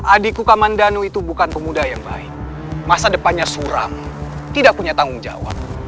adikku kamandanu itu bukan pemuda yang baik masa depannya suram tidak punya tanggungjawab